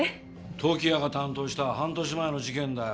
時矢が担当した半年前の事件だよ。